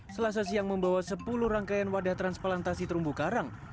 selasa siang membawa sepuluh rangkaian wadah transplantasi terumbu karang